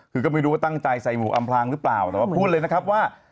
คือก็ไม่รู้ว่าตั้งใจใส่หมูอำพลางหรือเปล่าแต่ว่าพูดเลยนะครับว่า